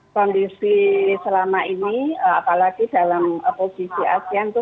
kondisi selama ini apalagi dalam posisi asean itu